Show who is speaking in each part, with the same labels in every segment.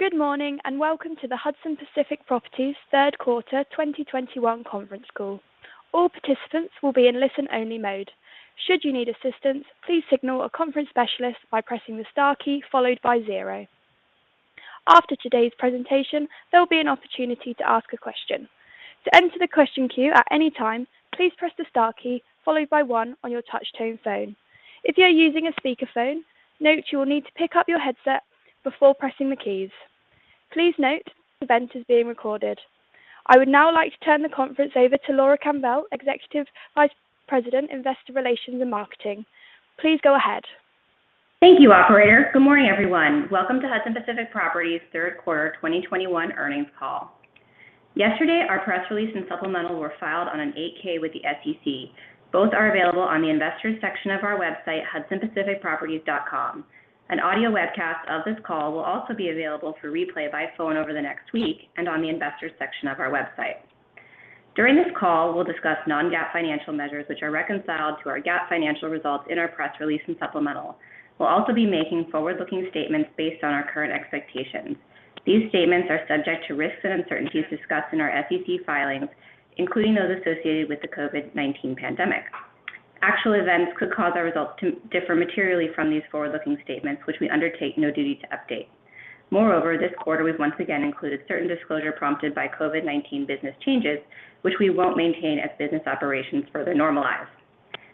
Speaker 1: Good morning, and welcome to the Hudson Pacific Properties third quarter 2021 conference call. All participants will be in listen-only mode. Should you need assistance, please signal a conference specialist by pressing the star key followed by zero. After today's presentation, there'll be an opportunity to ask a question. To enter the question queue at any time, please press the star key followed by one on your touchtone phone. If you're using a speakerphone, note you will need to pick up your headset before pressing the keys. Please note this event is being recorded. I would now like to turn the conference over to Laura Campbell, Executive Vice President, Investor Relations and Marketing. Please go ahead.
Speaker 2: Thank you, operator. Good morning, everyone. Welcome to Hudson Pacific Properties third quarter 2021 earnings call. Yesterday, our press release and supplemental were filed on an 8-K with the SEC. Both are available on the investors section of our website, hudsonpacificproperties.com. An audio webcast of this call will also be available for replay by phone over the next week and on the investors section of our website. During this call, we'll discuss non-GAAP financial measures, which are reconciled to our GAAP financial results in our press release and supplemental. We'll also be making forward-looking statements based on our current expectations. These statements are subject to risks and uncertainties discussed in our SEC filings, including those associated with the COVID-19 pandemic. Actual events could cause our results to differ materially from these forward-looking statements, which we undertake no duty to update. Moreover, this quarter we've once again included certain disclosure prompted by COVID-19 business changes, which we won't maintain as business operations further normalize.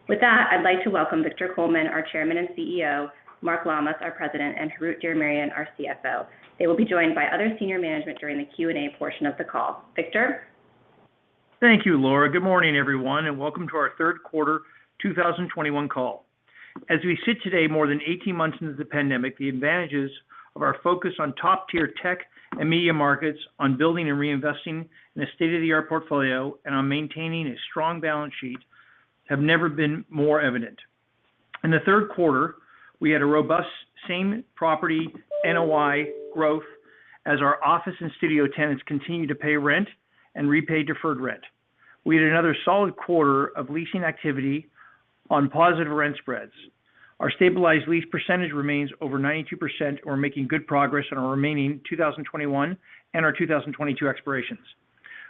Speaker 2: With that, I'd like to welcome Victor Coleman, our Chairman and CEO, Mark Lammas, our President, and Harout Diramerian, our CFO. They will be joined by other senior management during the Q&A portion of the call. Victor.
Speaker 3: Thank you, Laura. Good morning, everyone, and welcome to our third quarter 2021 call. As we sit today, more than 18 months into the pandemic, the advantages of our focus on top-tier tech and media markets on building and reinvesting in a state-of-the-art portfolio and on maintaining a strong balance sheet have never been more evident. In the third quarter, we had a robust same property NOI growth as our office and studio tenants continued to pay rent and repay deferred rent. We had another solid quarter of leasing activity on positive rent spreads. Our stabilized lease percentage remains over 92%. We're making good progress on our remaining 2021 and our 2022 expirations.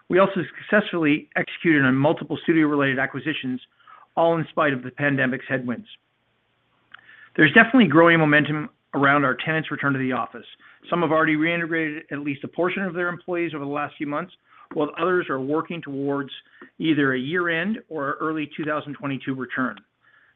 Speaker 3: We also successfully executed on multiple studio-related acquisitions, all in spite of the pandemic's headwinds. There's definitely growing momentum around our tenants' return to the office. Some have already reintegrated at least a portion of their employees over the last few months, while others are working towards either a year-end or early 2022 return.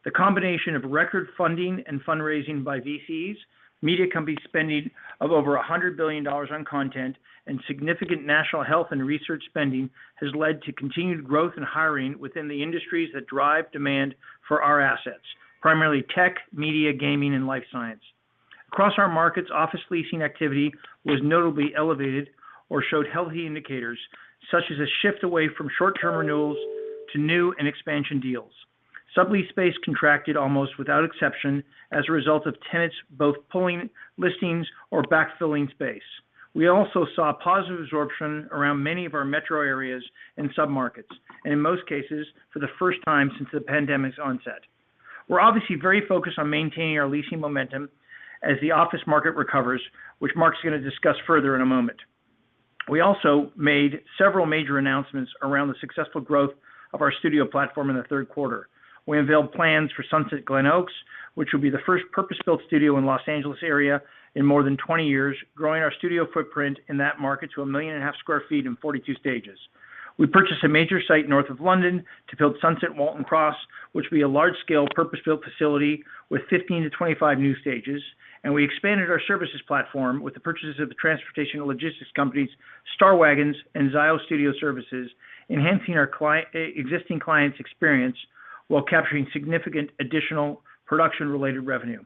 Speaker 3: The combination of record funding and fundraising by VCs, media company spending of over $100 billion on content, and significant national health and research spending has led to continued growth in hiring within the industries that drive demand for our assets, primarily tech, media, gaming, and life science. Across our markets, office leasing activity was notably elevated or showed healthy indicators, such as a shift away from short-term renewals to new and expansion deals. Sublease space contracted almost without exception as a result of tenants both pulling listings or backfilling space. We also saw positive absorption around many of our metro areas and submarkets, and in most cases, for the first time since the pandemic's onset. We're obviously very focused on maintaining our leasing momentum as the office market recovers, which Mark's gonna discuss further in a moment. We also made several major announcements around the successful growth of our studio platform in the third quarter. We unveiled plans for Sunset Glenoaks, which will be the first purpose-built studio in Los Angeles area in more than 20 years, growing our studio footprint in that market to 1.5 million sq ft and 42 stages. We purchased a major site north of London to build Sunset Waltham Cross, which will be a large-scale purpose-built facility with 15-25 new stages. We expanded our services platform with the purchases of the transportation logistics companies, Star Waggons and Zio Studio Services, enhancing our existing clients experience while capturing significant additional production related revenue.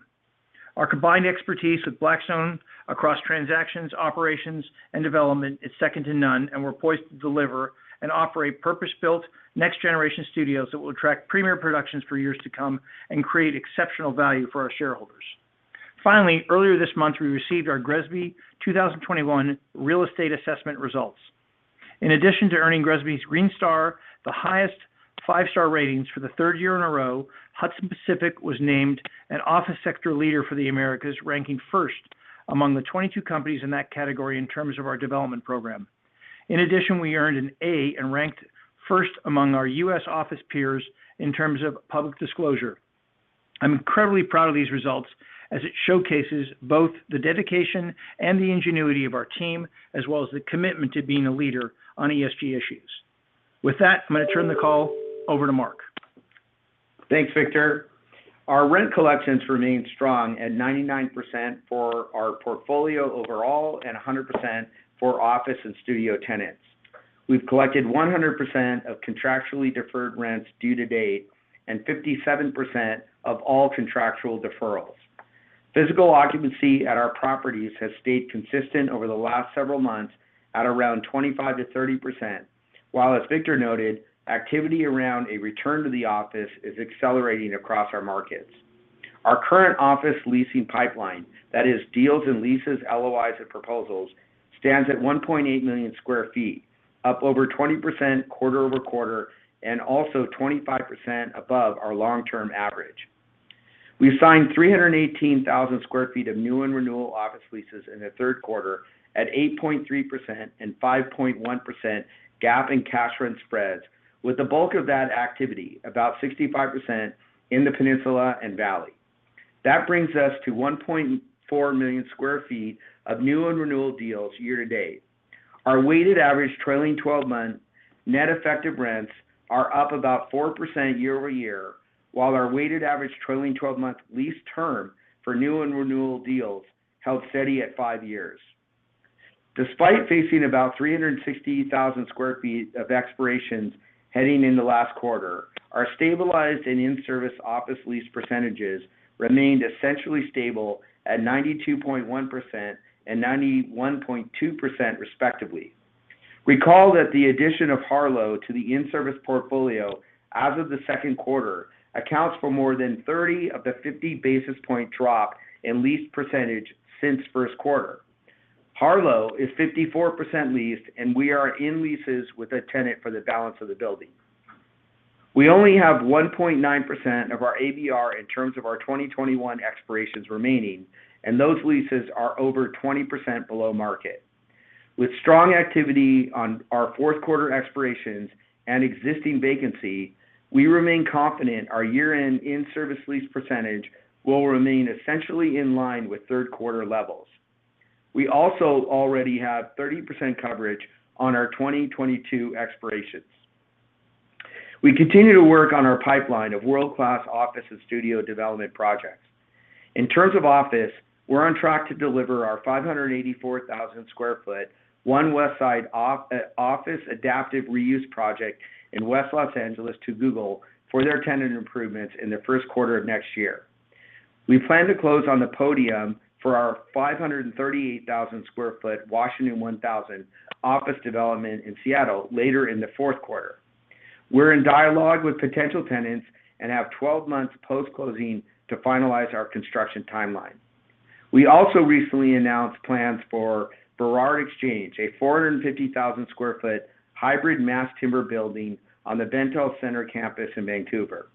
Speaker 3: Our combined expertise with Blackstone across transactions, operations, and development is second to none, and we're poised to deliver and operate purpose-built next generation studios that will attract premier productions for years to come and create exceptional value for our shareholders. Finally, earlier this month, we received our GRESB 2021 Real Estate Assessment results. In addition to earning GRESB's Green Star, the highest five-star ratings for the third year in a row, Hudson Pacific was named an office sector leader for the Americas, ranking first among the 22 companies in that category in terms of our development program. In addition, we earned an A and ranked first among our U.S. office peers in terms of public disclosure. I'm incredibly proud of these results as it showcases both the dedication and the ingenuity of our team, as well as the commitment to being a leader on ESG issues. With that, I'm gonna turn the call over to Mark.
Speaker 4: Thanks, Victor. Our rent collections remained strong at 99% for our portfolio overall and 100% for office and studio tenants. We've collected 100% of contractually deferred rents due to date and 57% of all contractual deferrals. Physical occupancy at our properties has stayed consistent over the last several months at around 25%-30%, while as Victor noted, activity around a return to the office is accelerating across our markets. Our current office leasing pipeline, that is deals and leases, LOIs and proposals, stands at 1.8 million sq ft, up over 20% quarter-over-quarter, and also 25% above our long-term average. We signed 318,000 sq ft of new and renewal office leases in the third quarter at 8.3% and 5.1% GAAP and cash rent spreads, with the bulk of that activity, about 65%, in the Peninsula and Valley. That brings us to 1.4 million sq ft of new and renewal deals year-to-date. Our weighted average trailing 12-month net effective rents are up about 4% year-over-year, while our weighted average trailing 12-month lease term for new and renewal deals held steady at five years. Despite facing about 360,000 sq ft of expirations heading into last quarter, our stabilized and in-service office lease percentages remained essentially stable at 92.1% and 91.2% respectively. Recall that the addition of Harlow to the in-service portfolio as of the second quarter accounts for more than 30 of the 50 basis points drop in lease percentage since first quarter. Harlow is 54% leased, and we are in leases with a tenant for the balance of the building. We only have 1.9% of our ABR in terms of our 2021 expirations remaining, and those leases are over 20% below market. With strong activity on our fourth quarter expirations and existing vacancy, we remain confident our year-end in-service lease percentage will remain essentially in line with third quarter levels. We also already have 30% coverage on our 2022 expirations. We continue to work on our pipeline of world-class office and studio development projects. In terms of office, we're on track to deliver our 584,000 sq ft One Westside office adaptive reuse project in West Los Angeles to Google for their tenant improvements in the first quarter of next year. We plan to close on the podium for our 538,000 sq ft Washington 1000 office development in Seattle later in the fourth quarter. We're in dialogue with potential tenants and have 12 months post-closing to finalize our construction timeline. We also recently announced plans for Burrard Exchange, a 450,000 sq ft hybrid mass timber building on the Bentall Centre campus in Vancouver.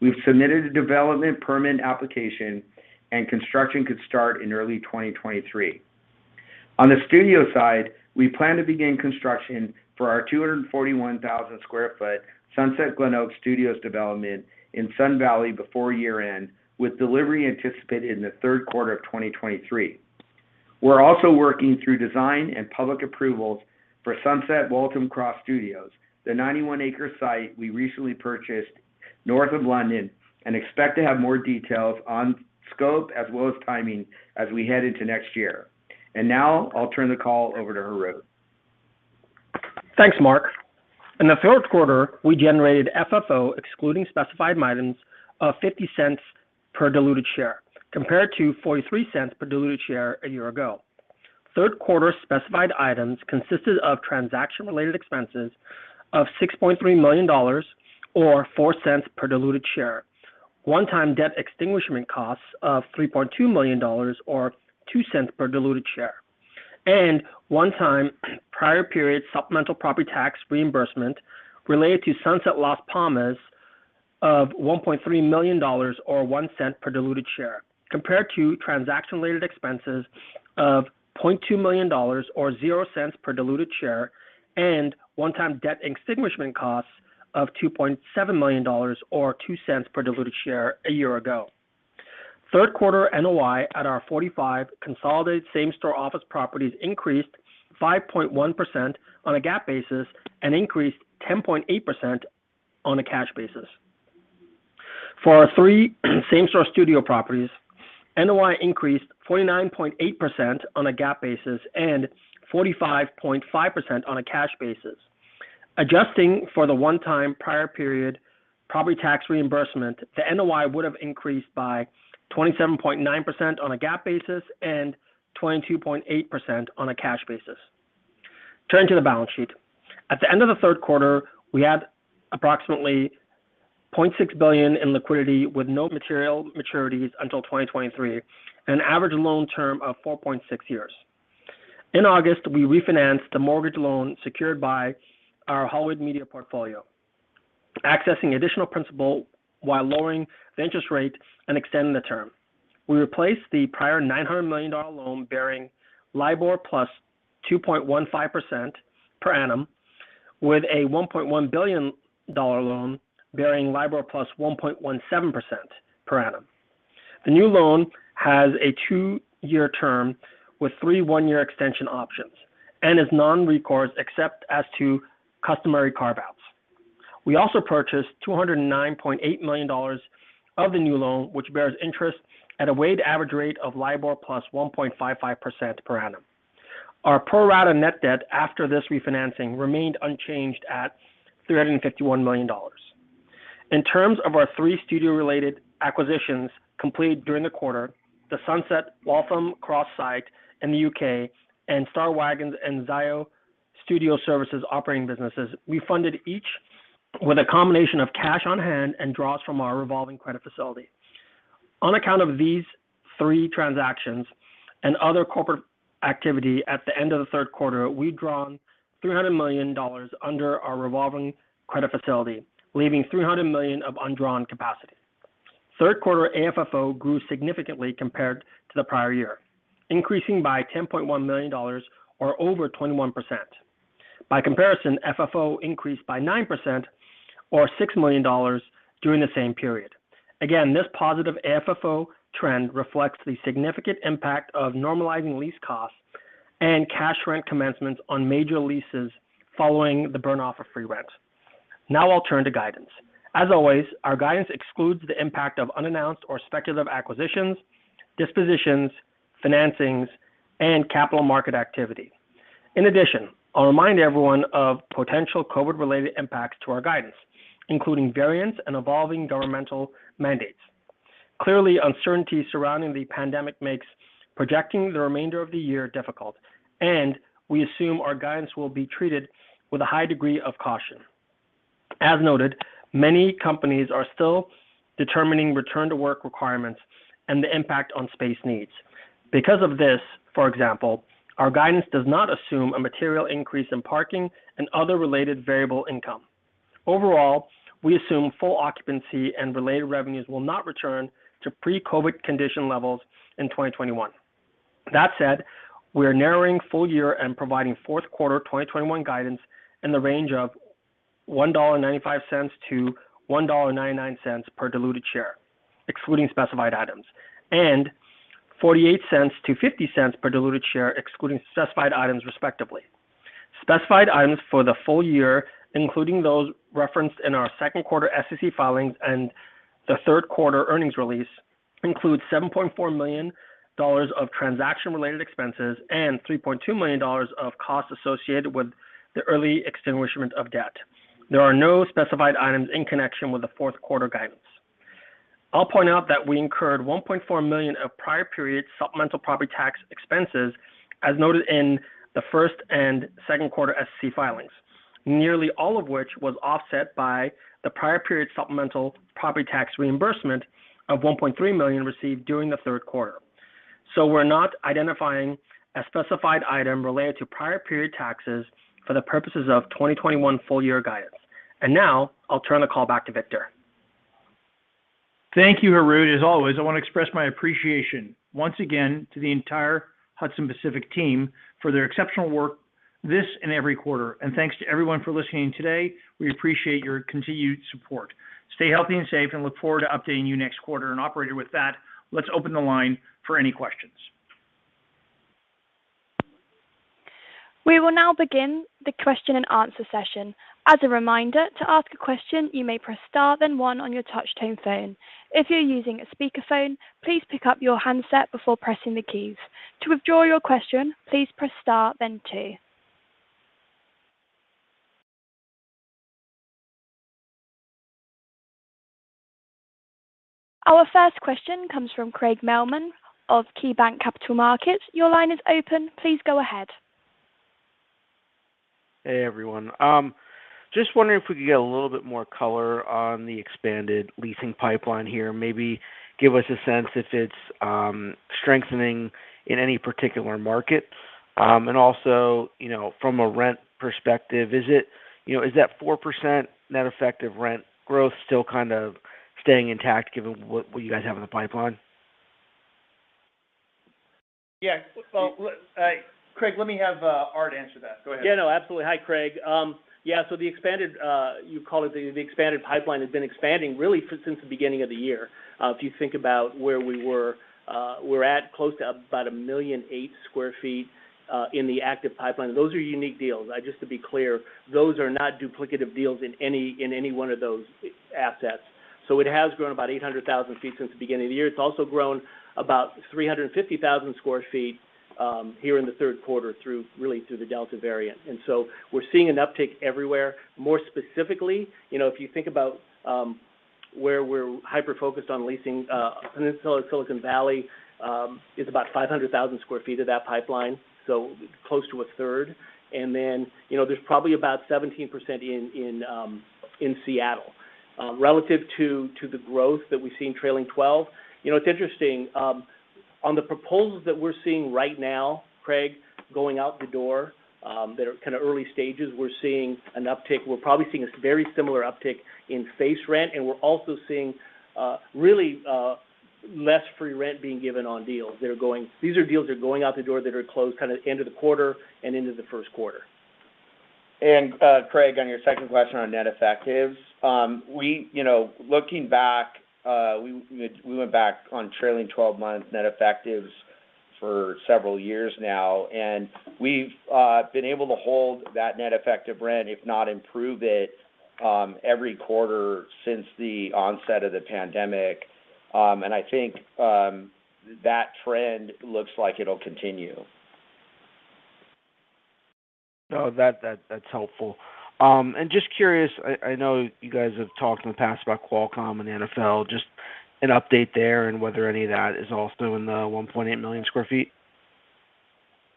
Speaker 4: We've submitted a development permit application, and construction could start in early 2023. On the studio side, we plan to begin construction for our 241,000 sq ft Sunset Glenoaks Studios development in Sun Valley before year-end, with delivery anticipated in the third quarter of 2023. We're also working through design and public approvals for Sunset Waltham Cross Studios, the 91-acre site we recently purchased north of London, and expect to have more details on scope as well as timing as we head into next year. Now I'll turn the call over to Harout.
Speaker 5: Thanks, Mark. In the third quarter, we generated FFO excluding specified items of $0.50 per diluted share, compared to $0.43 per diluted share a year ago. Third quarter specified items consisted of transaction-related expenses of $6.3 million or $0.04 per diluted share, one-time debt extinguishment costs of $3.2 million or $0.02 per diluted share, and one-time prior period supplemental property tax reimbursement related to Sunset Las Palmas of $1.3 million or $0.01 per diluted share, compared to transaction-related expenses of $0.2 million or $0.00 per diluted share and one-time debt extinguishment costs of $2.7 million or $0.02 per diluted share a year ago. Third quarter NOI at our 45 consolidated same-store office properties increased 5.1% on a GAAP basis and increased 10.8% on a cash basis. For our three same-store studio properties, NOI increased 49.8% on a GAAP basis and 45.5% on a cash basis. Adjusting for the one-time prior period property tax reimbursement, the NOI would have increased by 27.9% on a GAAP basis and 22.8% on a cash basis. Turning to the balance sheet. At the end of the third quarter, we had approximately $0.6 billion in liquidity with no material maturities until 2023, an average loan term of 4.6 years. In August, we refinanced the mortgage loan secured by our Hollywood Media portfolio, accessing additional principal while lowering the interest rate and extending the term. We replaced the prior $900 million loan bearing LIBOR +2.15% per annum with a $1.1 billion loan bearing LIBOR +1.17% per annum. The new loan has a two-year term with three one-year extension options and is non-recourse except as to customary carve-outs. We also purchased $209.8 million of the new loan, which bears interest at a weighted average rate of LIBOR +1.55% per annum. Our pro rata net debt after this refinancing remained unchanged at $351 million. In terms of our three studio-related acquisitions completed during the quarter, the Sunset Waltham Cross Studios site in the U.K. and Star Waggons and Zio Studio Services operating businesses, we funded each with a combination of cash on hand and draws from our revolving credit facility. On account of these three transactions and other corporate activity at the end of the third quarter, we've drawn $300 million under our revolving credit facility, leaving $300 million of undrawn capacity. Third quarter AFFO grew significantly compared to the prior year, increasing by $10.1 million or over 21%. By comparison, FFO increased by 9% or $6 million during the same period. Again, this positive AFFO trend reflects the significant impact of normalizing lease costs and cash rent commencements on major leases following the burn-off of free rent. Now I'll turn to guidance. As always, our guidance excludes the impact of unannounced or speculative acquisitions, dispositions, financings, and capital market activity. In addition, I'll remind everyone of potential COVID-related impacts to our guidance, including variants and evolving governmental mandates. Clearly, uncertainty surrounding the pandemic makes projecting the remainder of the year difficult, and we assume our guidance will be treated with a high degree of caution. As noted, many companies are still determining return-to-work requirements and the impact on space needs. Because of this, for example, our guidance does not assume a material increase in parking and other related variable income. Overall, we assume full occupancy and related revenues will not return to pre-COVID condition levels in 2021. That said, we are narrowing full year and providing fourth quarter 2021 guidance in the range of $1.95-$1.99 per diluted share, excluding specified items, and $0.48-$0.50 per diluted share, excluding specified items respectively. Specified items for the full year, including those referenced in our second quarter SEC filings and the third quarter earnings release, include $7.4 million of transaction-related expenses and $3.2 million of costs associated with the early extinguishment of debt. There are no specified items in connection with the fourth quarter guidance. I'll point out that we incurred $1.4 million of prior period supplemental property tax expenses, as noted in the first and second quarter SEC filings, nearly all of which was offset by the prior period supplemental property tax reimbursement of $1.3 million received during the third quarter. We're not identifying a specified item related to prior period taxes for the purposes of 2021 full year guidance. Now I'll turn the call back to Victor.
Speaker 3: Thank you, Harout. As always, I want to express my appreciation once again to the entire Hudson Pacific team for their exceptional work this and every quarter. Thanks to everyone for listening today. We appreciate your continued support. Stay healthy and safe, and look forward to updating you next quarter. Operator, with that, let's open the line for any questions.
Speaker 1: We will now begin the question and answer session. As a reminder, to ask a question, you may press star then one on your touch tone phone. If you're using a speakerphone, please pick up your handset before pressing the keys. To withdraw your question, please press star then two. Our first question comes from Craig Mailman of KeyBanc Capital Markets. Your line is open. Please go ahead.
Speaker 6: Hey, everyone. Just wondering if we could get a little bit more color on the expanded leasing pipeline here. Maybe give us a sense if it's strengthening in any particular market. Also, you know, from a rent perspective, is it, you know, is that 4% net effective rent growth still kind of staying intact given what you guys have in the pipeline?
Speaker 3: Yeah. Well, Craig, let me have, Harout answer that. Go ahead.
Speaker 5: Yeah, no, absolutely. Hi, Craig. Yeah, so the expanded pipeline has been expanding really since the beginning of the year. If you think about where we were, we're at close to about 1.8 million sq ft in the active pipeline. Those are unique deals. Just to be clear, those are not duplicative deals in any one of those assets. It has grown about 800,000 sq ft since the beginning of the year. It's also grown about 350,000 sq ft here in the third quarter through the Delta variant. We're seeing an uptick everywhere. More specifically, you know, if you think about where we're hyper-focused on leasing in Silicon Valley is about 500,000 sq ft of that pipeline, so close to a third. Then, you know, there's probably about 17% in Seattle. Relative to the growth that we've seen trailing 12. You know, it's interesting on the proposals that we're seeing right now, Craig, going out the door that are kind of early stages, we're seeing an uptick. We're probably seeing a very similar uptick in face rent, and we're also seeing really less free rent being given on deals. These are deals that are going out the door that are closed kind of end of the quarter and into the first quarter.
Speaker 3: Craig, on your second question on net effectives, we you know looking back went back on trailing 12 months net effectives for several years now, and we've been able to hold that net effective rent, if not improve it, every quarter since the onset of the pandemic. I think that trend looks like it'll continue.
Speaker 6: No, that's helpful. Just curious, I know you guys have talked in the past about Qualcomm and the NFL, just an update there and whether any of that is also in the 1.8 million sq ft?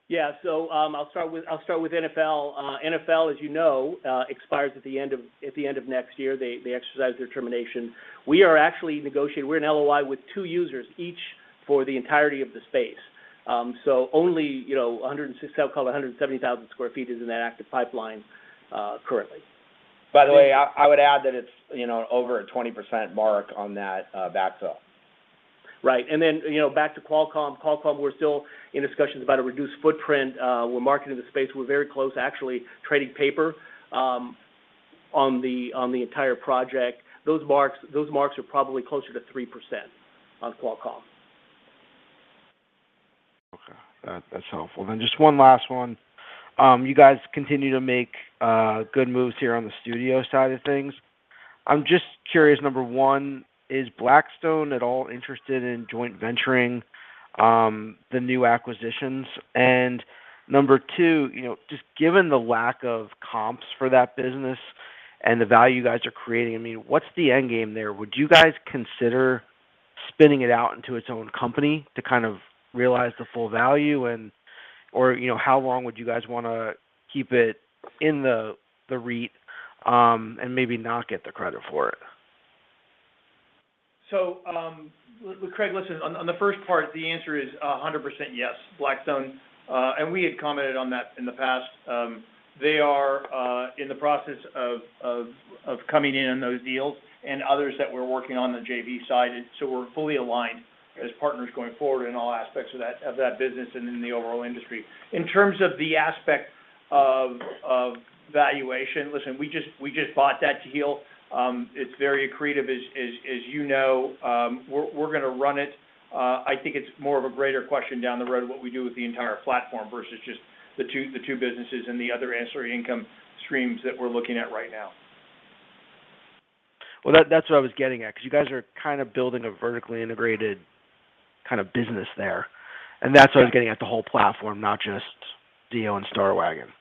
Speaker 5: Yeah. I'll start with NFL. NFL, as you know, expires at the end of next year. They exercise their termination. We are actually negotiating. We're in LOI with two users, each for the entirety of the space. Only, you know, I'll call it 170,000 sq ft is in that active pipeline currently.
Speaker 3: By the way, I would add that it's, you know, over a 20% mark on that backfill.
Speaker 5: Right. You know, back to Qualcomm. Qualcomm, we're still in discussions about a reduced footprint. We're marketing the space. We're very close, actually trading paper, on the entire project. Those marks are probably closer to 3% on Qualcomm.
Speaker 6: That's helpful. Just one last one. You guys continue to make good moves here on the studio side of things. I'm just curious. Number 1, is Blackstone at all interested in joint venturing the new acquisitions? Number 2, you know, just given the lack of comps for that business and the value you guys are creating, I mean, what's the end game there? Would you guys consider spinning it out into its own company to kind of realize the full value or, you know, how long would you guys wanna keep it in the REIT and maybe not get the credit for it?
Speaker 3: Craig, listen, on the first part, the answer is 100% yes. Blackstone and we had commented on that in the past, they are in the process of coming in on those deals and others that we're working on the JV side. We're fully aligned as partners going forward in all aspects of that business and in the overall industry. In terms of the aspect of valuation, listen, we just bought that deal. It's very accretive, as you know. We're gonna run it. I think it's more of a greater question down the road what we do with the entire platform versus just the two businesses and the other ancillary income streams that we're looking at right now.
Speaker 6: Well, that's what I was getting at, 'cause you guys are kind of building a vertically integrated kind of business there.
Speaker 3: Yeah.
Speaker 6: That's what I was getting at, the whole platform, not just Zio and Star Waggons.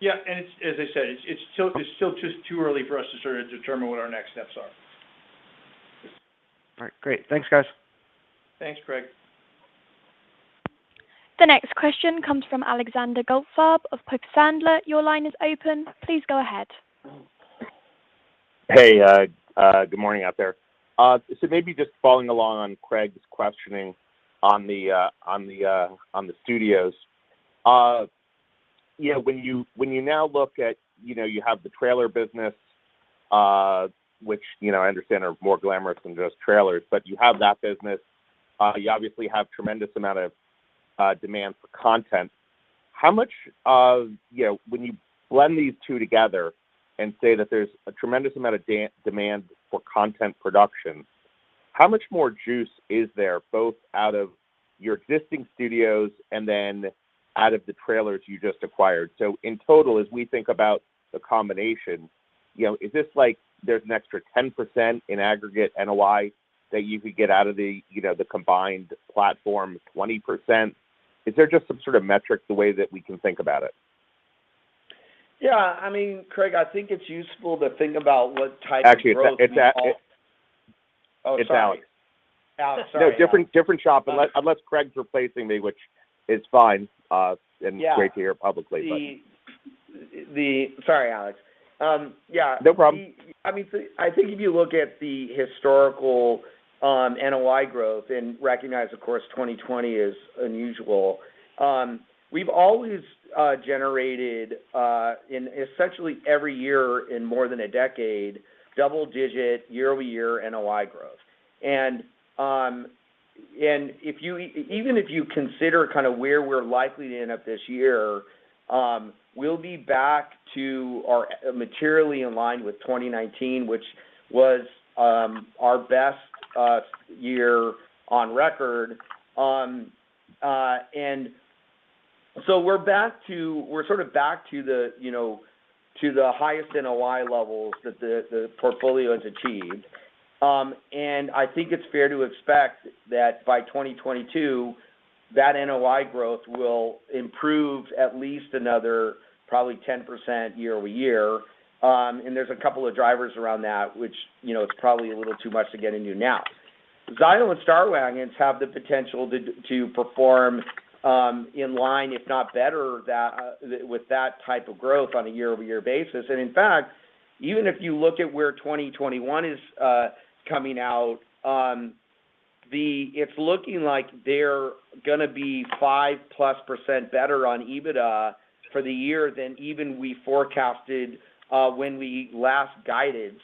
Speaker 3: Yeah. As I said, it's still just too early for us to sort of determine what our next steps are.
Speaker 6: All right. Great. Thanks, guys.
Speaker 3: Thanks, Craig.
Speaker 1: The next question comes from Alexander Goldfarb of Piper Sandler. Your line is open. Please go ahead.
Speaker 7: Hey, good morning out there. Maybe just following along on Craig's questioning on the studios. You know, when you now look at, you know, you have the trailer business, which, you know, I understand are more glamorous than just trailers. But you have that business, you obviously have tremendous amount of demand for content. How much of you know, when you blend these two together and say that there's a tremendous amount of demand for content production, how much more juice is there, both out of your existing studios and then out of the trailers you just acquired? In total, as we think about the combination, you know, is this, like, there's an extra 10% in aggregate NOI that you could get out of the, you know, the combined platform, 20%? Is there just some sort of metric, the way that we can think about it?
Speaker 4: Yeah. I mean, Craig, I think it's useful to think about what type of growth we call.
Speaker 7: Actually, it's Al.
Speaker 4: Oh, sorry.
Speaker 7: It's Alex.
Speaker 4: Alexander, sorry.
Speaker 7: No, different shop. Unless Craig's replacing me, which is fine.
Speaker 4: Yeah.
Speaker 7: Great to hear publicly, but.
Speaker 4: Sorry, Alex. Yeah.
Speaker 7: No problem.
Speaker 4: I mean, I think if you look at the historical NOI growth and recognize, of course, 2020 is unusual, we've always generated in essentially every year in more than a decade, double digit year-over-year NOI growth. If you consider kind of where we're likely to end up this year, we'll be back to or materially in line with 2019, which was our best year on record. We're sort of back to the, you know, to the highest NOI levels that the portfolio has achieved. I think it's fair to expect that by 2022, that NOI growth will improve at least another probably 10% year-over-year. There's a couple of drivers around that which, you know, it's probably a little too much to get into now. Zio and Star Waggons have the potential to perform in line, if not better than that, with that type of growth on a year-over-year basis. In fact, even if you look at where 2021 is coming out, it's looking like they're gonna be 5%+ better on EBITDA for the year than even we forecasted when we last guided.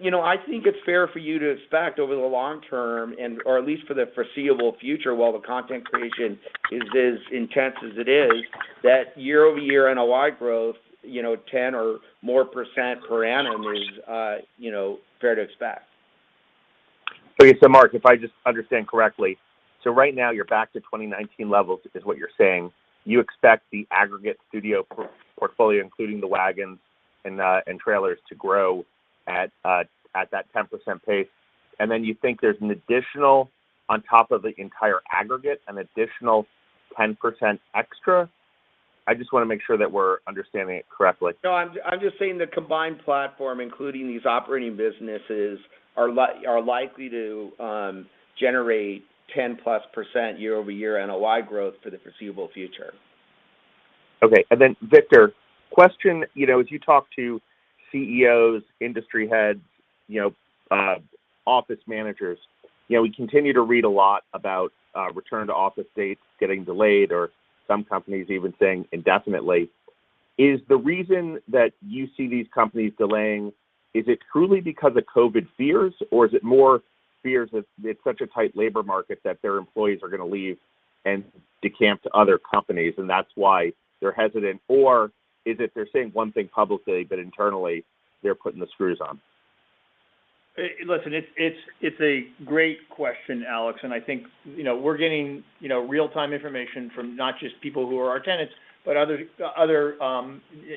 Speaker 4: You know, I think it's fair for you to expect over the long-term or at least for the foreseeable future, while the content creation is as intense as it is, that year-over-year NOI growth, you know, 10% or more per annum is fair to expect.
Speaker 7: Okay. Mark, if I just understand correctly, so right now you're back to 2019 levels is what you're saying. You expect the aggregate studio portfolio, including the wagons and trailers, to grow at that 10% pace. Then you think there's an additional, on top of the entire aggregate, an additional 10% extra. I just want to make sure that we're understanding it correctly.
Speaker 4: No, I'm just saying the combined platform, including these operating businesses, are likely to generate 10%+ year-over-year NOI growth for the foreseeable future.
Speaker 7: Okay. Victor, question. You know, as you talk to CEOs, industry heads, you know, office managers, you know, we continue to read a lot about, return to office dates getting delayed or some companies even saying indefinitely. Is the reason that you see these companies delaying, is it truly because of COVID fears, or is it more fears of it's such a tight labor market that their employees are going to leave and decamp to other companies, and that's why they're hesitant? Or is it they're saying one thing publicly, but internally they're putting the screws on?
Speaker 3: Hey, listen, it's a great question, Alex. I think, you know, we're getting, you know, real-time information from not just people who are our tenants, but other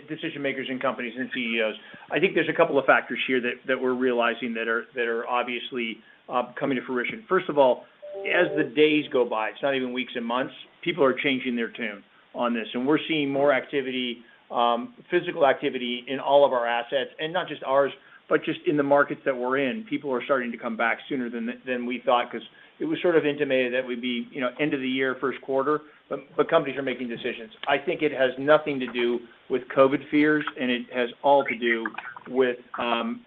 Speaker 3: decision-makers in companies and CEOs. I think there's a couple of factors here that we're realizing that are obviously coming to fruition. First of all, as the days go by, it's not even weeks and months, people are changing their tune on this, and we're seeing more activity physical activity in all of our assets. Not just ours, but just in the markets that we're in. People are starting to come back sooner than we thought because it was sort of intimated that we'd be, you know, end of the year, first quarter, but companies are making decisions. I think it has nothing to do with COVID fears, and it has all to do with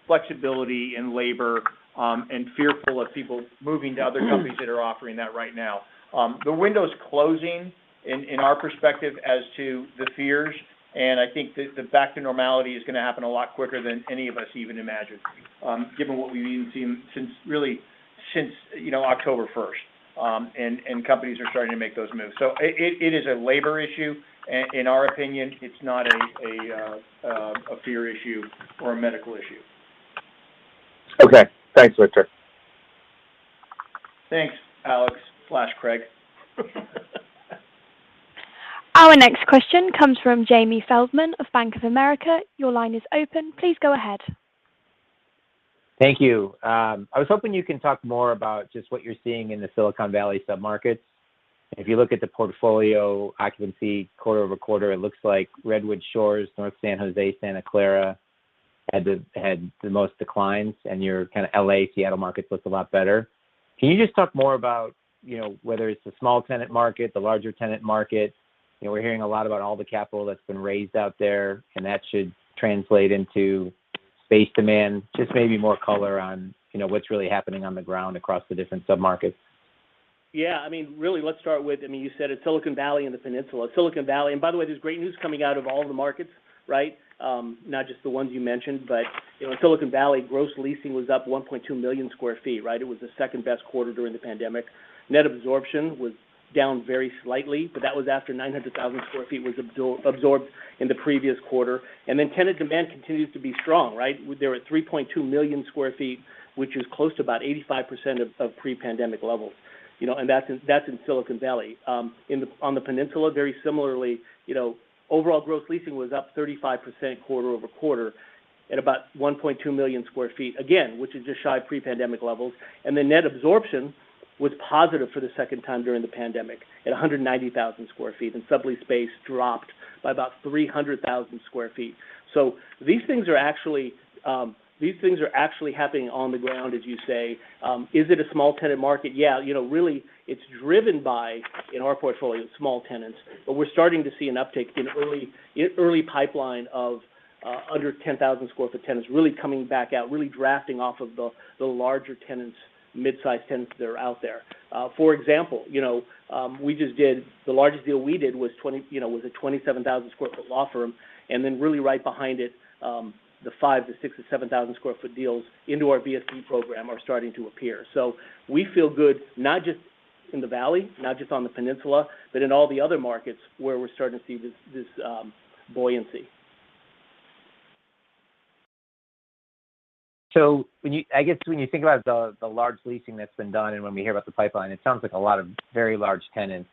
Speaker 3: flexibility in labor and fearful of people moving to other companies that are offering that right now. The window's closing in our perspective as to the fears, and I think the back to normality is going to happen a lot quicker than any of us even imagined, given what we've been seeing since really, you know, October first. Companies are starting to make those moves. It is a labor issue and in our opinion, it's not a fear issue or a medical issue.
Speaker 7: Okay. Thanks, Victor.
Speaker 3: Thanks, Alex/Craig.
Speaker 1: Our next question comes from Jamie Feldman of Bank of America. Your line is open. Please go ahead.
Speaker 8: Thank you. I was hoping you can talk more about just what you're seeing in the Silicon Valley submarkets. If you look at the portfolio occupancy quarter-over-quarter, it looks like Redwood Shores, North San Jose, Santa Clara had the most declines, and your kind of L.A., Seattle markets look a lot better. Can you just talk more about, you know, whether it's the small tenant market, the larger tenant market? You know, we're hearing a lot about all the capital that's been raised out there, and that should translate into space demand. Just maybe more color on, you know, what's really happening on the ground across the different submarkets.
Speaker 3: Yeah. I mean, really, let's start with. I mean, you said it's Silicon Valley and the Peninsula. Silicon Valley. By the way, there's great news coming out of all the markets, right? Not just the ones you mentioned. You know, Silicon Valley gross leasing was up 1.2 million sq ft, right? It was the second-best quarter during the pandemic. Net absorption was down very slightly, but that was after 900,000 sq ft was absorbed in the previous quarter. Tenant demand continues to be strong, right? There are 3.2 million sq ft, which is close to about 85% of pre-pandemic levels. You know, and that's in Silicon Valley. On the peninsula, very similarly, you know, overall growth leasing was up 35% quarter-over-quarter at about 1.2 million sq ft, again, which is just shy of pre-pandemic levels. The net absorption was positive for the second time during the pandemic at 190,000 sq ft, and sublease space dropped by about 300,000 sq ft. These things are actually happening on the ground, as you say. Is it a small tenant market? Yeah. You know, really, it's driven by, in our portfolio, small tenants, but we're starting to see an uptick in early pipeline of under 10,000 sq ft tenants really coming back out, really drafting off of the larger tenants, midsize tenants that are out there. For example, you know, the largest deal we did was a 27,000 sq ft law firm, and then really right behind it, the 5,000- to 7,000 sq ft deals into our VSP program are starting to appear. We feel good, not just in the valley, not just on the peninsula, but in all the other markets where we're starting to see this buoyancy.
Speaker 8: When you, I guess when you think about the large leasing that's been done and when we hear about the pipeline, it sounds like a lot of very large tenants.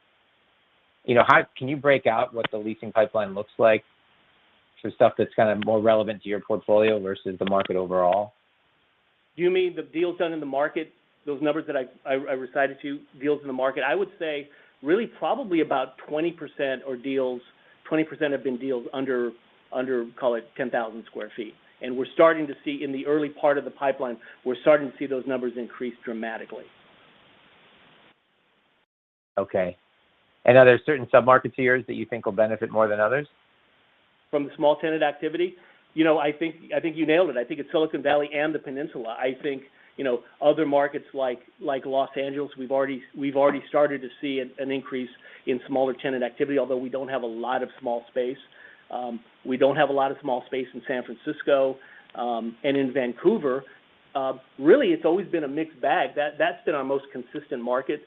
Speaker 8: You know, can you break out what the leasing pipeline looks like for stuff that's kind of more relevant to your portfolio versus the market overall?
Speaker 5: You mean the deals done in the market, those numbers that I recited to you, deals in the market? I would say really probably about 20% are deals, 20% have been deals under, call it 10,000 sq ft. We're starting to see in the early part of the pipeline, we're starting to see those numbers increase dramatically.
Speaker 8: Okay. Are there certain submarkets of yours that you think will benefit more than others?
Speaker 3: From the small tenant activity? You know, I think you nailed it. I think it's Silicon Valley and the Peninsula. I think, you know, other markets like Los Angeles, we've already started to see an increase in smaller tenant activity, although we don't have a lot of small space. We don't have a lot of small space in San Francisco. In Vancouver, really, it's always been a mixed bag. That's been our most consistent market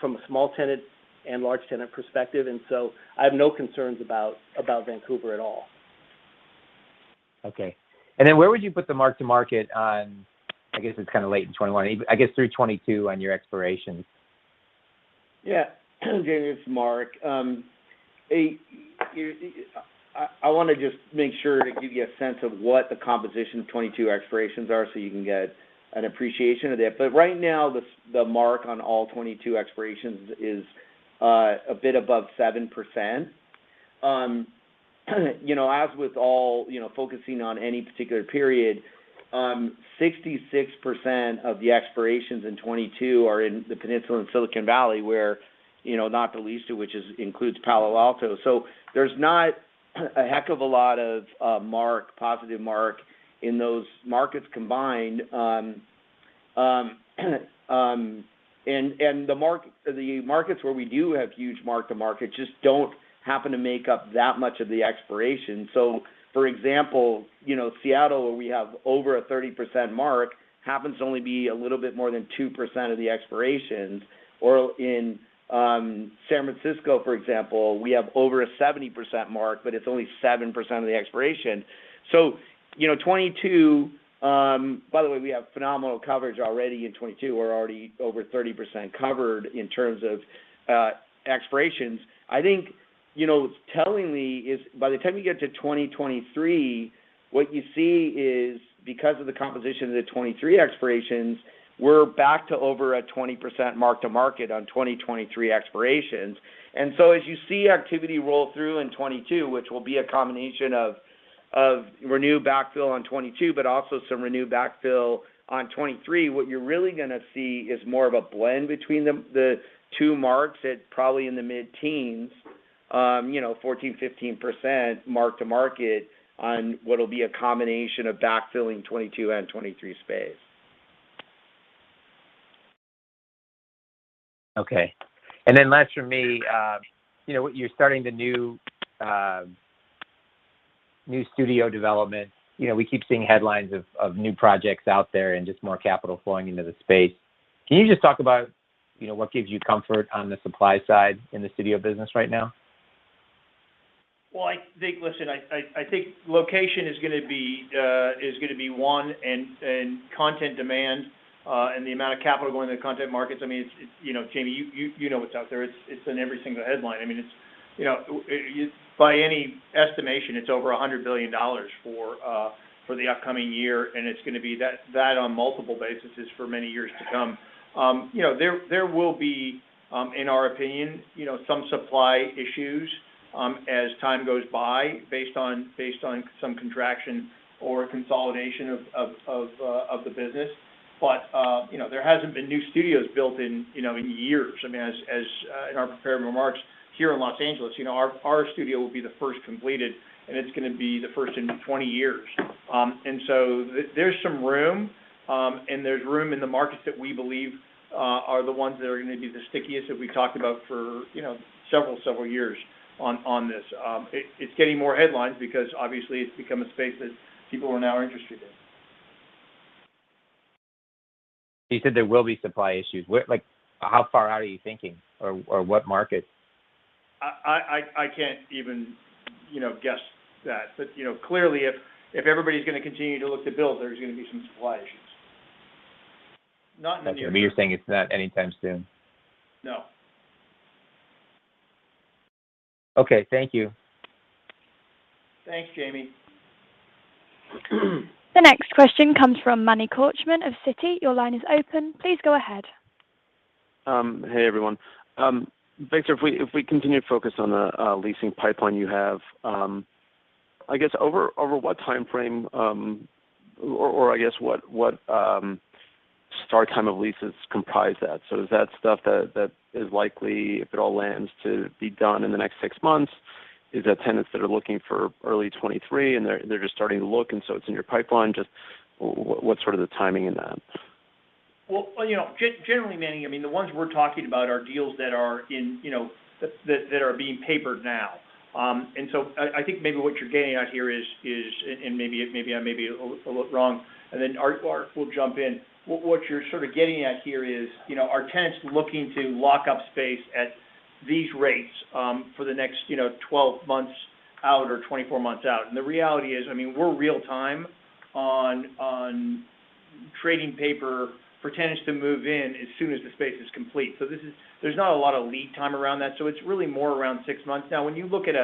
Speaker 3: from a small tenant and large tenant perspective. I have no concerns about Vancouver at all.
Speaker 8: Okay. Where would you put the mark-to-market on, I guess it's kind of late in 2021, I guess through 2022 on your expirations?
Speaker 4: Yeah. Jamie, it's Mark. I wanna just make sure to give you a sense of what the composition of 2022 expirations are, so you can get an appreciation of that. Right now, the mark on all 2022 expirations is a bit above 7%. You know, as with all, you know, focusing on any particular period, 66% of the expirations in 2022 are in the Peninsula in Silicon Valley, where, you know, not the least of which includes Palo Alto. So there's not a heck of a lot of positive mark-to-market in those markets combined. The markets where we do have huge mark-to-market just don't happen to make up that much of the expiration. So for example, you know, Seattle, where we have over a 30% mark-to-market, happens to only be a little bit more than 2% of the expirations. Or in San Francisco, for example, we have over a 70% mark-to-market, but it's only 7% of the expiration. So, you know, 2022, by the way, we have phenomenal coverage already in 2022. We're already over 30% covered in terms of expirations. I think, you know, tellingly is by the time you get to 2023, what you see is, because of the composition of the 2023 expirations, we're back to over a 20% mark-to-market on 2023 expirations. As you see activity roll through in 2022, which will be a combination of renewed backfill on 2022, but also some renewed backfill on 2023, what you're really gonna see is more of a blend between the two marks at probably in the mid-teens, you know, 14%, 15% mark-to-market on what'll be a combination of backfilling 2022 and 2023 space.
Speaker 8: Okay. Last from me, you know, you're starting the new studio development. You know, we keep seeing headlines of new projects out there and just more capital flowing into the space. Can you just talk about, you know, what gives you comfort on the supply side in the studio business right now?
Speaker 3: I think, listen, I think location is gonna be one, and content demand, and the amount of capital going to the content markets, I mean, it's. You know, Jamie, you know what's out there. It's in every single headline. I mean, it's, you know, by any estimation, it's over $100 billion for the upcoming year, and it's gonna be that on multiple bases for many years to come. You know, there will be, in our opinion, you know, some supply issues, as time goes by based on some contraction or consolidation of the business. But you know, there hasn't been new studios built in years. I mean, in our prepared remarks, here in Los Angeles, you know, our studio will be the first completed, and it's gonna be the first in 20 years. There's some room, and there's room in the markets that we believe are the ones that are gonna be the stickiest that we talked about for, you know, several years on this. It's getting more headlines because obviously it's become a space that people are now interested in.
Speaker 8: You said there will be supply issues. Like, how far out are you thinking? Or, what markets?
Speaker 3: I can't even, you know, guess that. You know, clearly if everybody's gonna continue to look to build, there's gonna be some supply issues. Not none here.
Speaker 8: You're saying it's not anytime soon.
Speaker 3: No.
Speaker 8: Okay, thank you.
Speaker 3: Thanks, Jamie.
Speaker 1: The next question comes from Emmanuel Korchman of Citi. Your line is open. Please go ahead.
Speaker 9: Hey, everyone. Victor, if we continue to focus on the leasing pipeline you have, I guess over what timeframe, or I guess what start time of leases comprise that? So is that stuff that is likely, if it all lands, to be done in the next six months? Is that tenants that are looking for early 2023 and they're just starting to look and so it's in your pipeline? Just what's sort of the timing in that?
Speaker 3: Well, you know, generally, Manny, I mean, the ones we're talking about are deals that are in, you know, that are being papered now. I think maybe what you're getting at here is, and maybe I'm a little wrong, and then Art will jump in. What you're sort of getting at here is, you know, are tenants looking to lock up space at these rates for the next, you know, 12 months out or 24 months out. The reality is, I mean, we're real time on trading paper for tenants to move in as soon as the space is complete. This is. There's not a lot of lead time around that, it's really more around six months. Now, when you look at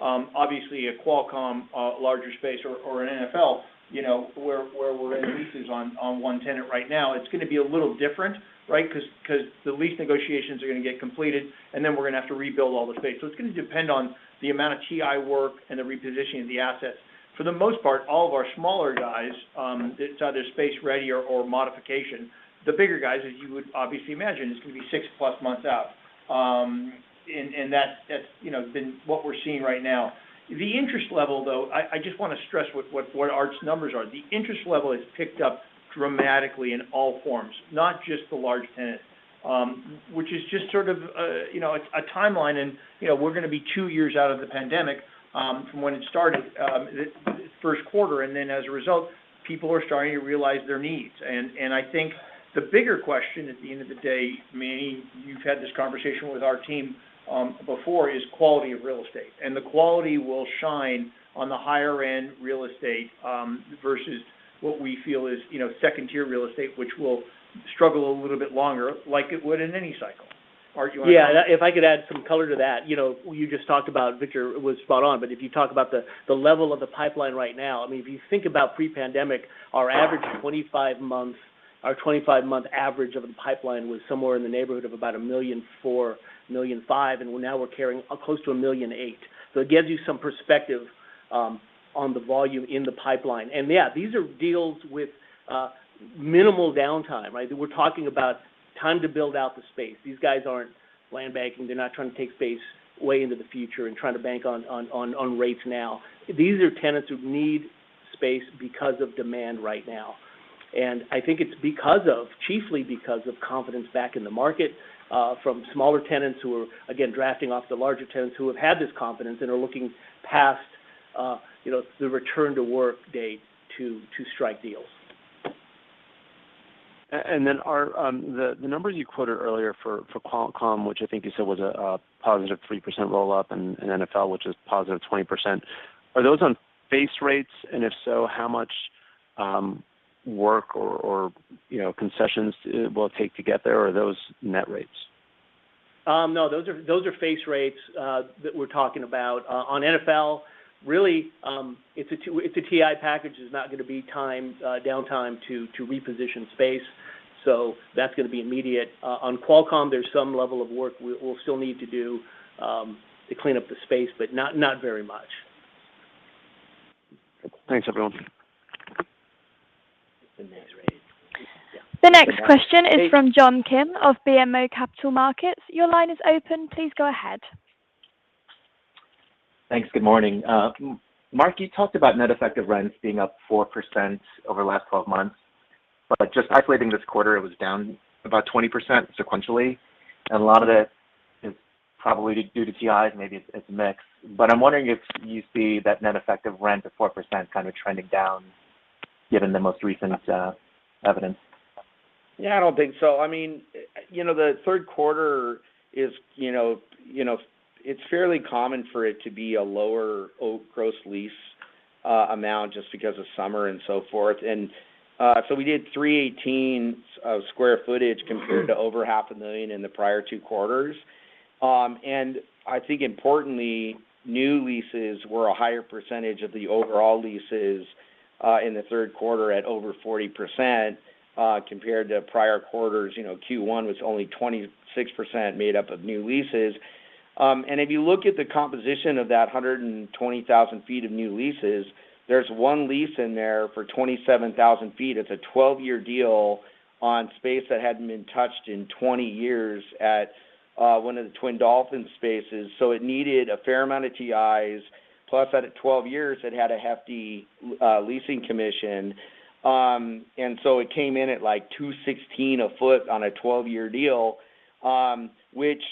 Speaker 3: obviously a Qualcomm larger space or an NFL, you know, where we're getting leases on one tenant right now, it's gonna be a little different, right? 'Cause the lease negotiations are gonna get completed, and then we're gonna have to rebuild all the space. So it's gonna depend on the amount of TI work and the repositioning of the assets. For the most part, all of our smaller guys, it's either space ready or modification. The bigger guys, as you would obviously imagine, it's gonna be 6+ months out. That's you know been what we're seeing right now. The interest level, though, I just wanna stress what Art's numbers are. The interest level has picked up dramatically in all forms, not just the large tenants. Which is just sort of, you know, a timeline and, you know, we're gonna be two years out of the pandemic, from when it started, first quarter. Then as a result, people are starting to realize their needs. I think the bigger question at the end of the day, Manny, you've had this conversation with our team, before, is quality of real estate. The quality will shine on the higher end real estate, versus what we feel is, you know, second tier real estate, which will struggle a little bit longer like it would in any cycle. Harout, you wanna add on that?
Speaker 5: Yeah. If I could add some color to that. You know, you just talked about Victor was spot on, but if you talk about the level of the pipeline right now, I mean, if you think about pre-pandemic, our average 25 months. Our 25-month average of a pipeline was somewhere in the neighborhood of about 1.4 million-1.5 million, and now we're carrying close to 1.8 million. It gives you some perspective on the volume in the pipeline. Yeah, these are deals with minimal downtime, right? We're talking about time to build out the space. These guys aren't land banking. They're not trying to take space way into the future and trying to bank on rates now. These are tenants who need space because of demand right now. I think it's chiefly because of confidence back in the market from smaller tenants who are, again, drafting off the larger tenants who have had this confidence and are looking past the return to work date to strike deals.
Speaker 9: Are the numbers you quoted earlier for Qualcomm, which I think you said was a positive 3% roll-up, and NFL, which is positive 20%, on base rates? If so, how much work or you know concessions it will take to get there, or are those net rates?
Speaker 5: No, those are face rates that we're talking about. On NFL, really, it's a TI package. There's not going to be time, downtime to reposition space. That's going to be immediate. On Qualcomm, there's some level of work we'll still need to do to clean up the space, but not very much.
Speaker 9: Thanks, everyone.
Speaker 1: The next question is from John Kim of BMO Capital Markets. Your line is open. Please go ahead.
Speaker 10: Thanks. Good morning. Mark, you talked about net effective rents being up 4% over the last 12 months. Just isolating this quarter, it was down about 20% sequentially. A lot of that is probably due to TIs, maybe it's a mix. I'm wondering if you see that net effective rent of 4% kind of trending down given the most recent evidence.
Speaker 4: Yeah, I don't think so. I mean, you know, the third quarter is fairly common for it to be a lower gross lease amount just because of summer and so forth. So we did 318,000 sq ft compared to over 500,000 sq ft in the prior two quarters. I think importantly, new leases were a higher percentage of the overall leases in the third quarter at over 40%, compared to prior quarters. You know, Q1 was only 26% made up of new leases. If you look at the composition of that 120,000 sq ft of new leases, there's one lease in there for 27,000 sq ft. It's a 12-year deal on space that hadn't been touched in 20 years at one of the Twin Dolphin spaces. It needed a fair amount of TIs, plus at 12 years, it had a hefty leasing commission. It came in at, like, 216 a foot on a 12-year deal, which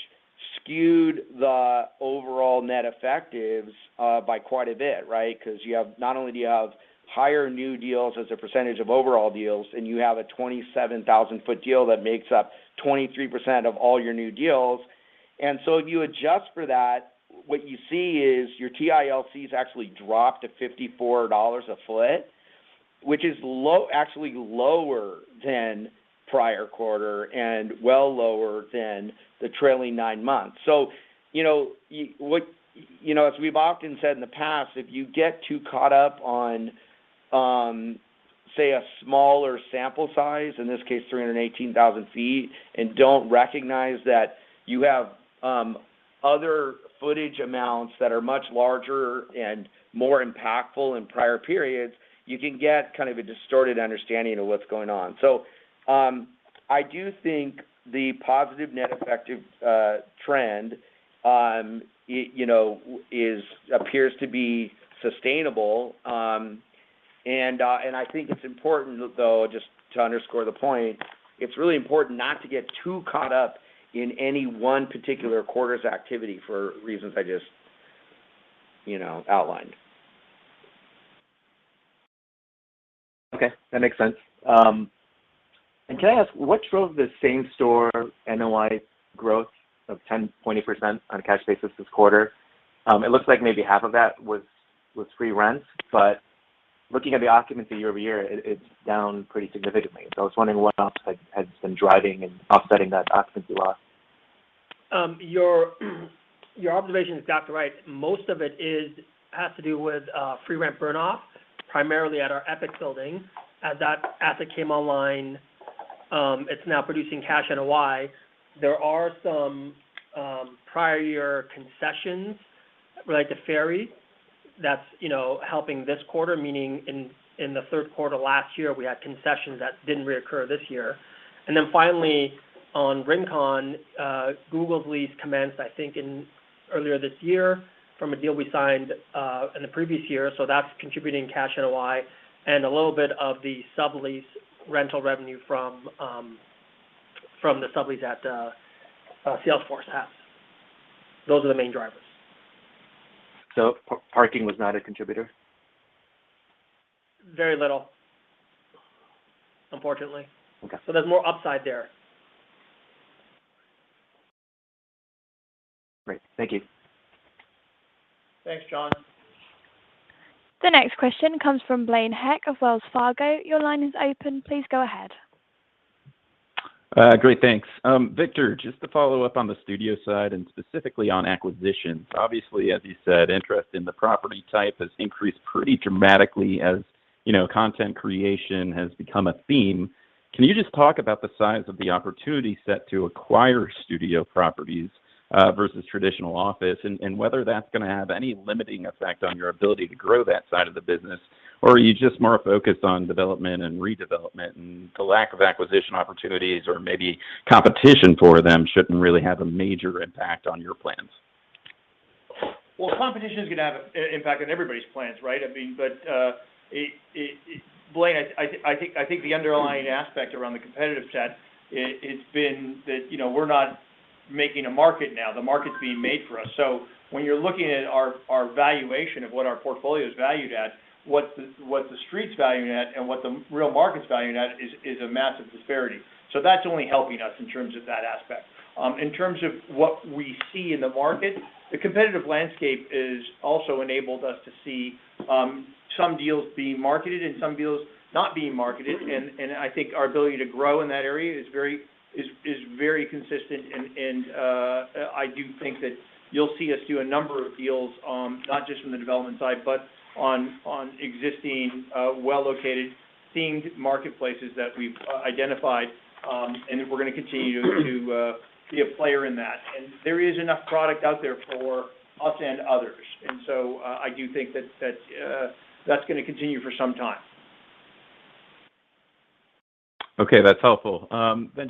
Speaker 4: skewed the overall net effectives by quite a bit, right? 'Cause not only do you have higher new deals as a percentage of overall deals, and you have a 27,000 foot deal that makes up 23% of all your new deals. If you adjust for that, what you see is your TILCs actually drop to $54 a foot, which is low, actually lower than prior quarter and well lower than the trailing nine months. You know, as we've often said in the past, if you get too caught up on, say, a smaller sample size, in this case, 318,000 sq ft, and don't recognize that you have other footage amounts that are much larger and more impactful in prior periods, you can get kind of a distorted understanding of what's going on. I do think the positive net effective trend, you know, appears to be sustainable. I think it's important, though, just to underscore the point, it's really important not to get too caught up in any one particular quarter's activity for reasons I just, you know, outlined.
Speaker 10: Okay. That makes sense. Can I ask, what drove the same-store NOI growth of 10.8% on a cash basis this quarter? It looks like maybe half of that was free rent, but looking at the occupancy year-over-year, it's down pretty significantly. I was wondering what else has been driving and offsetting that occupancy loss.
Speaker 3: Your observation is spot on. Most of it has to do with free rent burn-off, primarily at our Epic building. As that asset came online, it's now producing cash NOI. There are some prior year concessions related to Ferry that's, you know, helping this quarter, meaning in the third quarter last year, we had concessions that didn't reoccur this year. Finally on Rincon, Google's lease commenced, I think earlier this year from a deal we signed in the previous year. So that's contributing cash NOI and a little bit of the sublease rental revenue from the sublease that Salesforce has. Those are the main drivers.
Speaker 10: Parking was not a contributor?
Speaker 4: Very little, unfortunately.
Speaker 10: Okay.
Speaker 4: There's more upside there.
Speaker 10: Great. Thank you.
Speaker 4: Thanks, John.
Speaker 1: The next question comes from Blaine Heck of Wells Fargo. Your line is open. Please go ahead.
Speaker 11: Great. Thanks. Victor, just to follow up on the studio side and specifically on acquisitions. Obviously, as you said, interest in the property type has increased pretty dramatically as, you know, content creation has become a theme. Can you just talk about the size of the opportunity set to acquire studio properties, versus traditional office, and whether that's gonna have any limiting effect on your ability to grow that side of the business? Or are you just more focused on development and redevelopment, and the lack of acquisition opportunities or maybe competition for them shouldn't really have a major impact on your plans?
Speaker 3: Well, competition is gonna have an impact on everybody's plans, right? I mean, Blaine, I think the underlying aspect around the competitive set, it's been that, you know, we're not making a market now. The market's being made for us. When you're looking at our valuation of what our portfolio is valued at, what the street's valuing at and what the real market's valuing at is a massive disparity. That's only helping us in terms of that aspect. In terms of what we see in the market, the competitive landscape has also enabled us to see some deals being marketed and some deals not being marketed. I think our ability to grow in that area is very consistent. I do think that you'll see us do a number of deals, not just from the development side, but on existing, well-located themed marketplaces that we've identified. We're gonna continue to be a player in that. There is enough product out there for us and others. I do think that that's gonna continue for some time.
Speaker 11: Okay, that's helpful.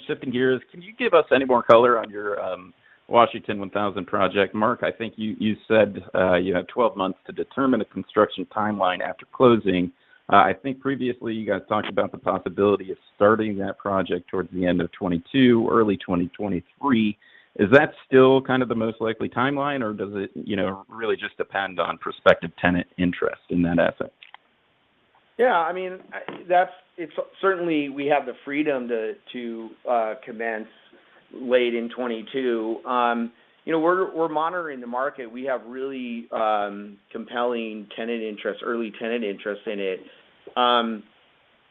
Speaker 11: Shifting gears, can you give us any more color on your Washington 1000 project? Mark, I think you said you have 12 months to determine a construction timeline after closing. I think previously you guys talked about the possibility of starting that project towards the end of 2022, early 2023. Is that still kind of the most likely timeline, or does it, you know, really just depend on prospective tenant interest in that asset?
Speaker 4: Yeah, I mean, certainly we have the freedom to commence late in 2022. You know, we're monitoring the market. We have really compelling tenant interest, early tenant interest in it.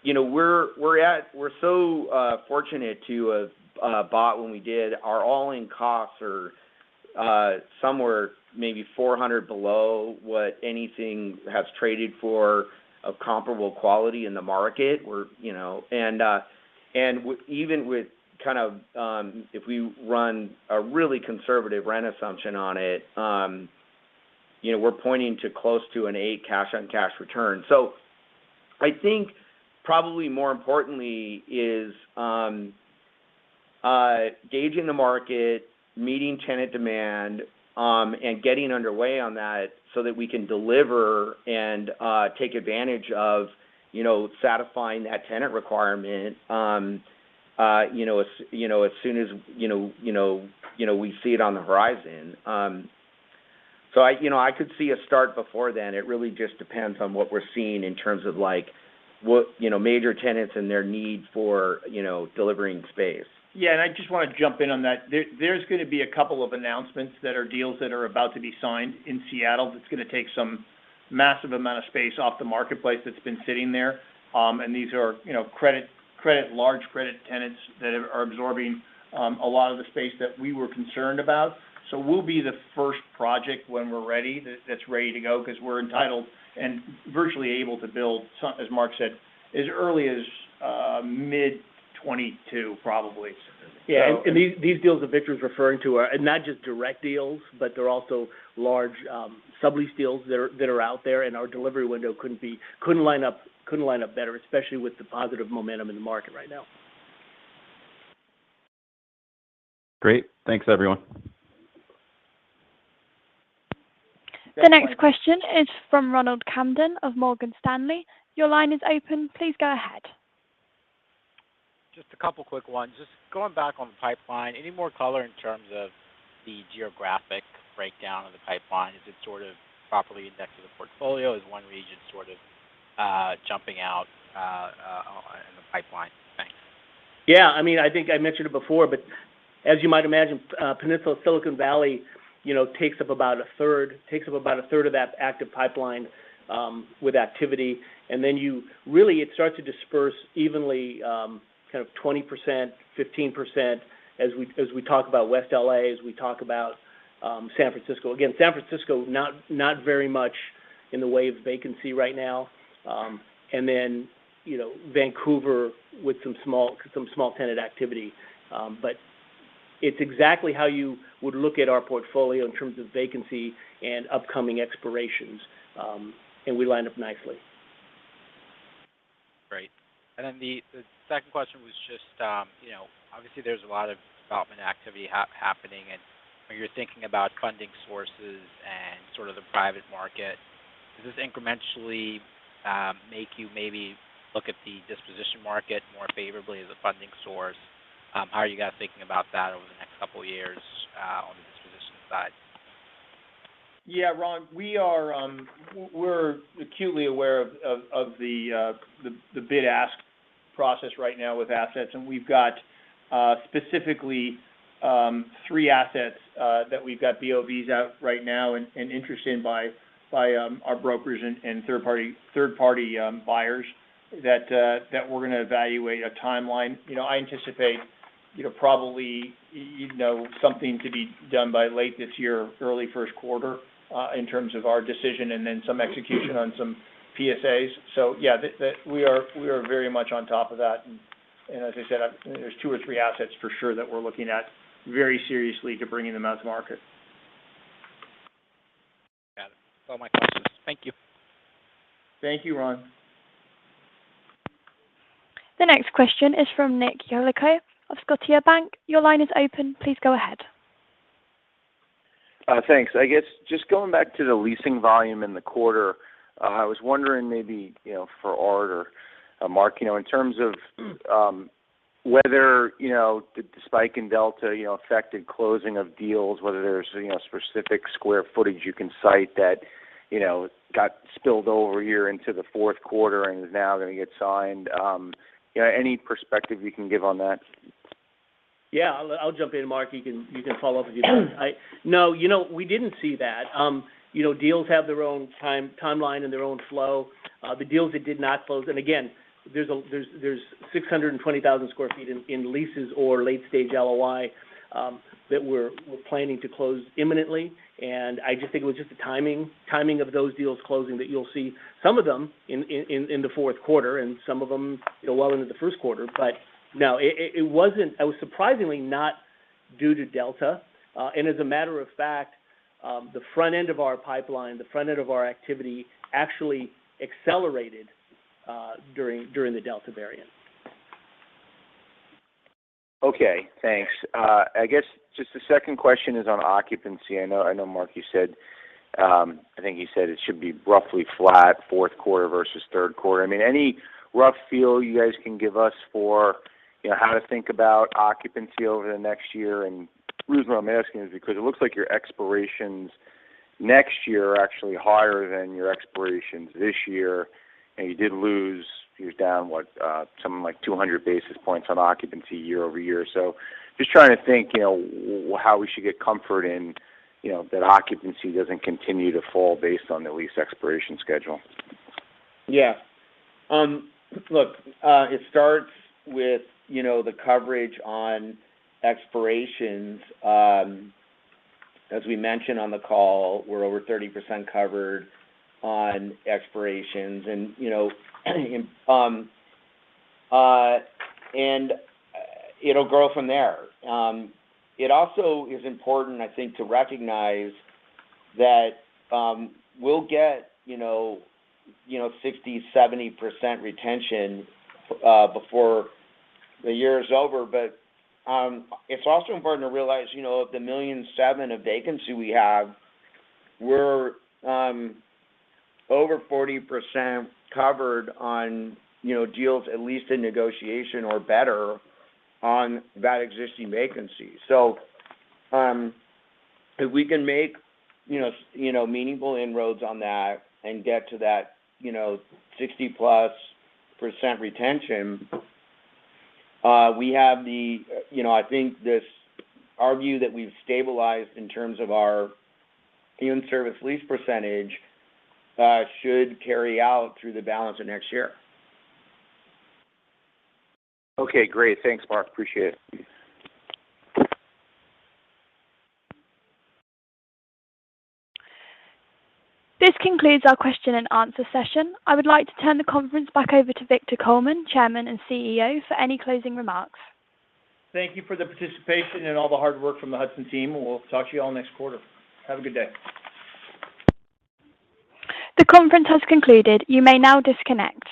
Speaker 4: You know, we're so fortunate to have bought when we did. Our all-in costs are somewhere maybe $400 below what anything has traded for of comparable quality in the market. You know, even with, kind of, if we run a really conservative rent assumption on it, you know, we're pointing to close to an 8% cash-on-cash return. I think probably more importantly is gauging the market, meeting tenant demand, and getting underway on that so that we can deliver and take advantage of, you know, satisfying that tenant requirement, you know, as you know as soon as, you know, we see it on the horizon. I, you know, could see a start before then. It really just depends on what we're seeing in terms of like what, you know, major tenants and their need for, you know, delivering space.
Speaker 3: Yeah. I just want to jump in on that. There's gonna be a couple of announcements that are deals that are about to be signed in Seattle that's gonna take some massive amount of space off the marketplace that's been sitting there. These are, you know, large credit tenants that are absorbing a lot of the space that we were concerned about. We'll be the first project when we're ready, that's ready to go because we're entitled and virtually able to build, as Mark said, as early as mid-2022 probably.
Speaker 4: Yeah. These deals that Victor's referring to are not just direct deals, but they're also large sublease deals that are out there, and our delivery window couldn't line up better, especially with the positive momentum in the market right now.
Speaker 11: Great. Thanks, everyone.
Speaker 1: The next question is from Ronald Kamdem of Morgan Stanley. Your line is open. Please go ahead.
Speaker 12: Just a couple quick ones. Just going back on the pipeline, any more color in terms of the geographic breakdown of the pipeline? Is it sort of properly indexed to the portfolio? Is one region sort of jumping out in the pipeline? Thanks.
Speaker 3: Yeah, I mean, I think I mentioned it before, but as you might imagine, Peninsula Silicon Valley, you know, takes up about a third of that active pipeline with activity. Really, it starts to disperse evenly, kind of 20%, 15% as we talk about West L.A., San Francisco. Again, San Francisco, not very much in the way of vacancy right now. You know, Vancouver with some small tenant activity. It's exactly how you would look at our portfolio in terms of vacancy and upcoming expirations, and we line up nicely.
Speaker 12: Great. The second question was just, you know, obviously there's a lot of development activity happening and when you're thinking about funding sources and sort of the private market. Does this incrementally make you maybe look at the disposition market more favorably as a funding source? How are you guys thinking about that over the next couple of years on the disposition side?
Speaker 3: Yeah, Ron, we're acutely aware of the bid-ask process right now with assets, and we've got specifically. Three assets that we've got BOVs out right now and interest in by our brokers and third party buyers that we're gonna evaluate a timeline. You know, I anticipate, you know, probably you know, something to be done by late this year or early first quarter, in terms of our decision and then some execution on some PSAs. Yeah, the We are very much on top of that. As I said, there's two or three assets for sure that we're looking at very seriously to bringing them to market.
Speaker 12: Got it. All my questions. Thank you.
Speaker 3: Thank you, Ron.
Speaker 1: The next question is from Nick Yulico of Scotiabank. Your line is open. Please go ahead.
Speaker 13: Thanks. I guess just going back to the leasing volume in the quarter, I was wondering maybe, you know, for Art or Mark, you know, in terms of whether, you know, the spike in Delta, you know, affected closing of deals, whether there's, you know, specific square footage you can cite that, you know, got spilled over here into the fourth quarter and is now going to get signed. You know, any perspective you can give on that?
Speaker 3: Yeah. I'll jump in, Mark. You can follow up if you'd like. No, you know, we didn't see that. You know, deals have their own timeline and their own flow. The deals that did not close, and again, there's 620,000 sq ft in leases or late stage LOI that we're planning to close imminently. I just think it was just the timing of those deals closing that you'll see some of them in the fourth quarter and some of them, you know, well into the first quarter. No, it wasn't. It was surprisingly not due to Delta. As a matter of fact, the front end of our pipeline, the front end of our activity actually accelerated during the Delta variant.
Speaker 13: Okay, thanks. I guess just the second question is on occupancy. I know Mark, you said, I think he said it should be roughly flat fourth quarter versus third quarter. I mean, any rough feel you guys can give us for, you know, how to think about occupancy over the next year? The reason why I'm asking is because it looks like your expirations next year are actually higher than your expirations this year, and you did lose, you're down, what, something like 200 basis points on occupancy year-over-year. Just trying to think, you know, how we should get comfort in, you know, that occupancy doesn't continue to fall based on the lease expiration schedule.
Speaker 4: Yeah. Look, it starts with, you know, the coverage on expirations. As we mentioned on the call, we're over 30% covered on expirations and, you know, and it'll grow from there. It also is important I think, to recognize that, we'll get, you know, 60%-70% retention before the year is over. It's also important to realize, you know, of the 1.7 million of vacancy we have, we're over 40% covered on, you know, deals at least in negotiation or better on that existing vacancy. If we can make, you know, meaningful inroads on that and get to that, you know, 60%+ retention, we have the. You know, I think our view that we've stabilized in terms of our in-service lease percentage should carry out through the balance of next year.
Speaker 13: Okay, great. Thanks Mark. Appreciate it.
Speaker 1: This concludes our question and answer session. I would like to turn the conference back over to Victor Coleman, Chairman and CEO, for any closing remarks.
Speaker 3: Thank you for the participation and all the hard work from the Hudson team. We'll talk to you all next quarter. Have a good day.
Speaker 1: The conference has concluded. You may now disconnect.